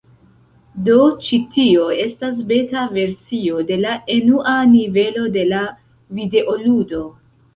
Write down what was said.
Do ĉi tio estas beta versio de la enua nivelo de la videoludo.